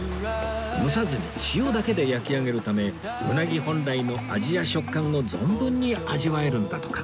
蒸さずに塩だけで焼き上げるためうなぎ本来の味や食感を存分に味わえるんだとか